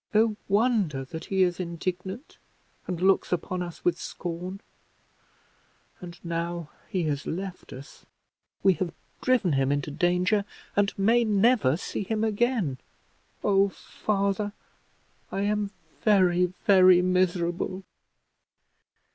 No wonder that he is indignant, and looks upon us with scorn. And now he has left us; we have driven him into danger, and may never see him again. Oh, father! I am very, very miserable!"